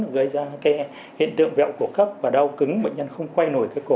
gây ra hiện tượng vou cổ cấp và đau cứng bệnh nhân không quay nổi cái cổ